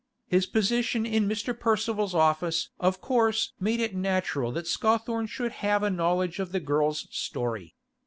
His position in Mr. Percival's office of course made it natural that Scawthorne should have a knowledge of the girl's story.